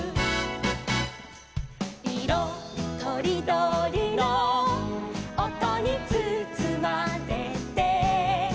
「いろとりどりのおとにつつまれて」